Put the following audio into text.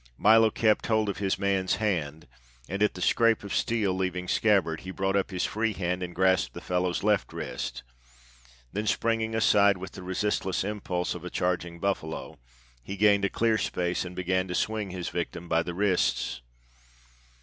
Milo kept hold of his man's hand, and at the scrape of steel leaving scabbard, he brought up his free hand and grasped the fellow's left wrist. Then, springing aside with the resistless impulse of a charging buffalo, he gained a clear space, and began to swing his victim by the wrists.